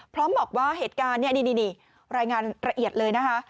พร้อมบอกว่าเหตุการณ์เนี่ยนี่รายงานละเอียดเลยนะคะ